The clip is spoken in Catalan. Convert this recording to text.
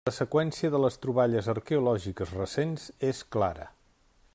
La seqüència de les troballes arqueològiques recents és clara.